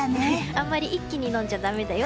あまり一気に飲んじゃだめだよ。